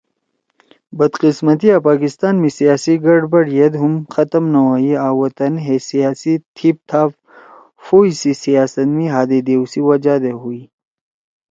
بدقسمتیِا پاکستان می سیاسی گڑبڑ یئد ہُم ختم نہ ہوئی آں وطنے ہے سیاسی تھیپ تھاپ فوز سی سیاست می ہادے دیؤ سی وجہ دے ہوئی۔